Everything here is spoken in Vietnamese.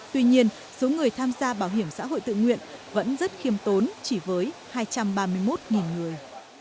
tuy nhiên số người tham gia bảo hiểm xã hội tự nguyện vẫn rất khiêm tốn chỉ với hai trăm ba mươi một người